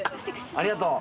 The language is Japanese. ありがとう。